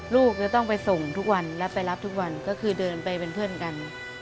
ลูกจะต้องไปส่งทุกวันแล้วไปรับทุกวันก็คือเดินไปเป็นเพื่อนกัน